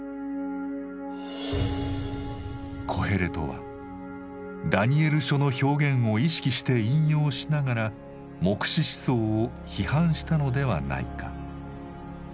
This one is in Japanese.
コヘレトは「ダニエル書」の表現を意識して引用しながら黙示思想を批判したのではないか。